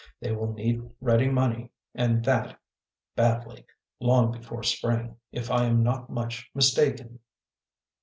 They will need ready money and that badly, long before Spring, if I am not much mis taken."